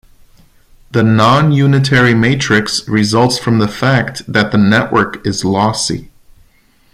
The non-unitary matrix results from the fact that the network is lossy.